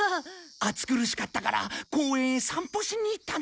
暑苦しかったから公園へ散歩しに行ったんだ。